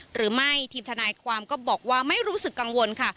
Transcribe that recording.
หรือไม่ทีมทนายความก็บอกว่าไม่รู้สึกกังวลค่ะ